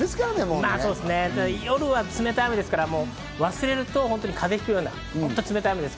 夜は冷たい雨ですから、忘れると本当に風邪ひくような冷たい雨です。